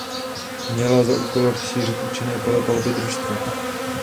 Měla za úkol rozšířit účinné pole palby družstva.